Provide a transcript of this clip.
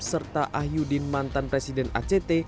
serta ahyuddin mantan presiden act